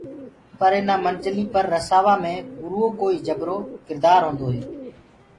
پر اِنآ سب منجليٚ پر رسآوآ مي گُرو ڪوئي جبرو ڪِردآر هوندو هي۔